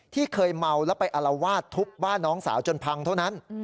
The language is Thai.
ที่เคยเมาแล้วไปอารวาสทุบบ้านน้องสาวจนพังเท่านั้น